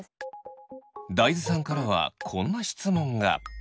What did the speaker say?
大豆さんからはこんな質問が。